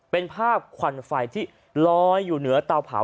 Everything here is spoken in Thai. เป็นภาพควันไฟที่ลอยอยู่เหนือเตาเผา